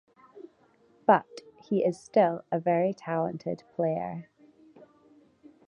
But he is still a very talented player.